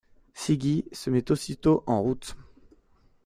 Siggi se met aussitôt en route.